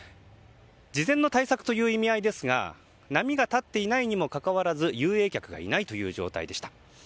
事前の対策という意味合いですが波が立っていないにもかかわらず遊泳客がいないという状態でした。